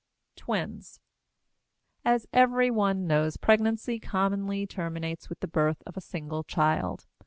TWINS. As every one knows, pregnancy commonly terminates with the birth of a single child.